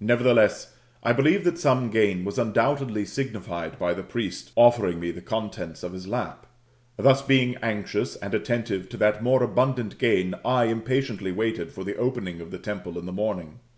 Nevertheless, I believed that some gain was undoubtedly signi fied by the priest offering me the contents of his lap. Thus, being anxious and attentive to that more abundant gain, I [im patiently] waited for the opening of the temple in the morning.